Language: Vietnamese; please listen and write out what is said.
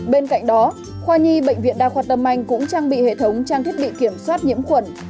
bên cạnh đó khoa nhi bệnh viện đa khoa tâm anh cũng trang bị hệ thống trang thiết bị kiểm soát nhiễm khuẩn